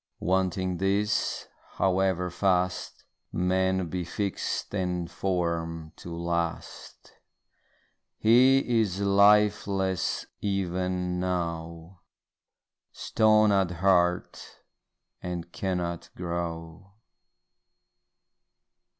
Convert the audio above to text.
Wanting these, however fast Man be fix'd and form'd to last, He is lifeless even now, Stone at heart, and cannot grow.